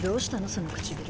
その唇。